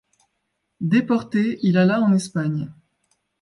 Déporté, il alla en Espagne.